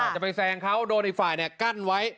จะไปแซงเขาโดนอีกฝ่ายกั้นไว้